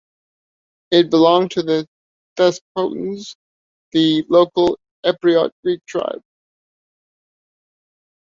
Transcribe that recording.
It belonged to the Thesprotians, the local Epirot Greek tribe.